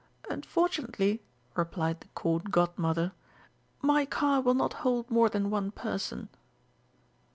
"Unfortunately," replied the Court Godmother, "my car will not hold more than one person."